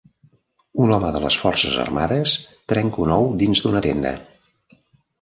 Un home de les forces armades trenca un ou dins d'una tenda